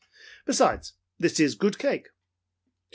Besides, this is good cake.